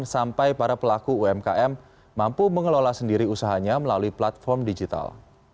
sampai para pelaku umkm mampu mengelola sendiri usahanya melalui platform digital